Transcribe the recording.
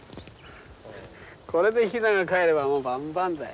これでヒナがかえればもう万々歳だ。